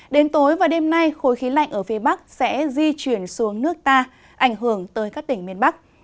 đến tối và đêm nay khối khí lạnh ở phía bắc sẽ di chuyển xuống nước ta ảnh hưởng tới các tỉnh miền bắc